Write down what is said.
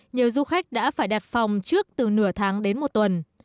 nhiều du khách đã phải đặt phòng trước từ nửa tháng đến một tuần